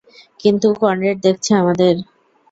কিন্তু, কনরেড দেখছে আমাদের!